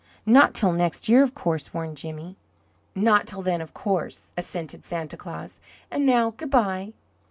"Not till next year, of course," warned Jimmy. "Not till then, of course," assented Santa Claus. "And now, good bye."